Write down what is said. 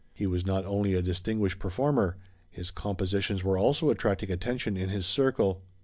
He was not only a distinguished performer: his compositions were also attracting attention in his circle.